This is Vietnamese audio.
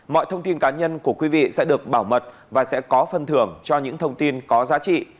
mọi thông tin cá nhân của quý vị sẽ được bảo mật và sẽ có phân thưởng cho những thông tin có giá trị